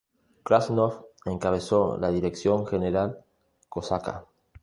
Krasnov, encabezó la Dirección General Cosaca.